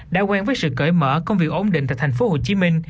đã quen với sự cởi mở công việc ổn định tại tp hcm